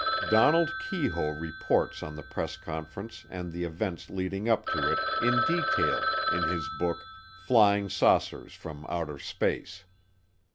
Donald Keyhoe reports on the press conference and the events leading up to it in detail in his book, Flying Saucers from Outer Space.